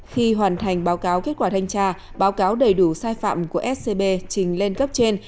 khi hoàn thành báo cáo kết quả thanh tra báo cáo đầy đủ sai phạm của scb trình lên cấp trên